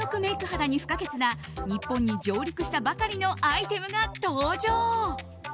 肌に不可欠な日本に上陸したばかりのアイテムが登場。